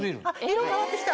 色変わってきた。